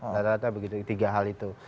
rata rata begitu tiga hal itu